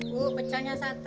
bu pecelnya satu